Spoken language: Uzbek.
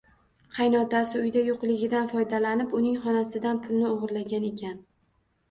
Qaynotasi uyda yo`qligidan foydalanib, uning xonasidan pulni o`g`rilagan ekan